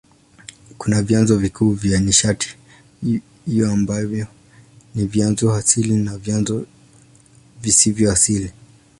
Kuna vyanzo vikuu vya nishati hiyo ambavyo ni vyanzo asili na vyanzo visivyo asili.